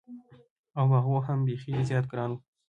او په هغو هم بېخي زیات ګران و.